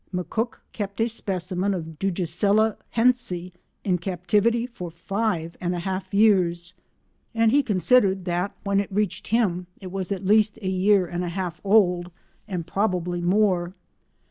McCook kept a specimen of Dugesiella hentzi in captivity for five and a half years, and he considered that when it reached him it was at least a year and a half old, and probably more.